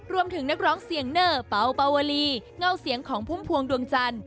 นักร้องเสียงเนอร์เปล่าปาวลีเง่าเสียงของพุ่มพวงดวงจันทร์